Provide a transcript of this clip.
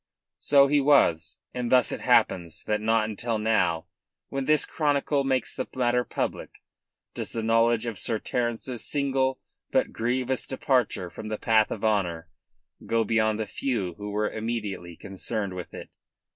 So he was; and thus it happens that not until now when this chronicle makes the matter public does the knowledge of Sir Terence's single but grievous departure from the path of honour go beyond the few who were immediately concerned with it.